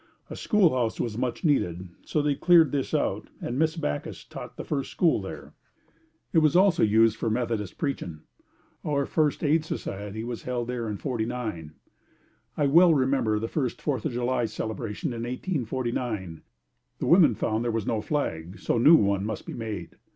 A school house was much needed so they cleared this out and Miss Backus taught the first school there. It was also used for Methodist preachin'. Our first aid society was held there in '49. I well remember the first Fourth of July celebration in 1849. The women found there was no flag so knew one must be made.